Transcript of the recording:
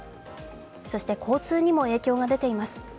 そして交通にも影響が出ています。